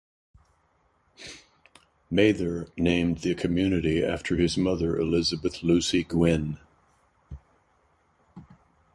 Mather named the community after his mother Elizabeth Lucy Gwinn.